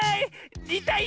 いたいよ！